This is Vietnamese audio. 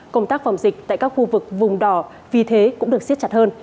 công tác phòng dịch tại các khu vực vùng đỏ vi thế cũng được siết chặt hơn